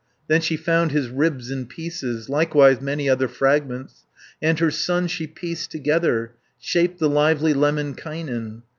Then she found his ribs in pieces, Likewise many other fragments, And her son she pieced together, Shaped the lively Lemminkainen.